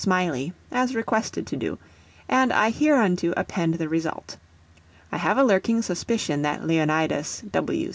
Smiley, as requested to do, and I hereunto append the result. I have a lurking suspicion that _Leonidas W.